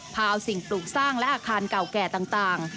พาเอาสิ่งปลูกสร้างและอาคารเก่าแก่ต่าง